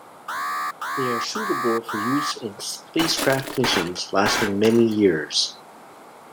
They are suitable for use in spacecraft missions lasting many years.